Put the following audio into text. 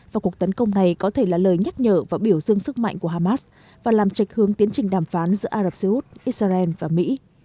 và cuộc tấn công này có thể là lời nhắc nhở và biểu dương sức mạnh của hamas và làm trạch hướng tiến trình đàm phán giữa ả rập xê út israel và mỹ